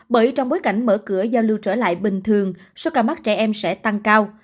bởi trong bối cảnh mở cửa giao lưu trở lại bình thường số ca mắc trẻ em sẽ tăng cao